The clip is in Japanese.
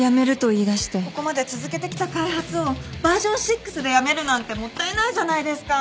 ここまで続けてきた開発をバージョン６でやめるなんてもったいないじゃないですか！